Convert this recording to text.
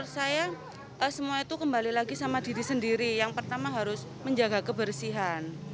saya semua itu kembali lagi sama diri sendiri yang pertama harus menjaga kebersihan